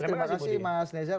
terima kasih mas nezal